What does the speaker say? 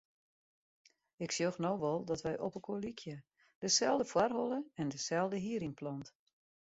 Ik sjoch no wol dat wy opelkoar lykje; deselde foarholle en deselde hierynplant.